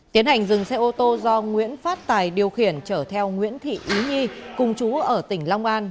tiến hành dừng xe ô tô do nguyễn phát tài điều khiển chở theo nguyễn thị ý nhi cùng chú ở tỉnh long an